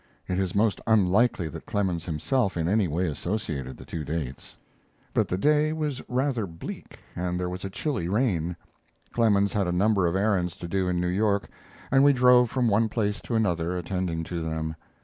It is most unlikely that Clemens himself in any way associated the two dates.] but the day was rather bleak and there was a chilly rain. Clemens had a number of errands to do in New York, and we drove from one place to another, attending to them.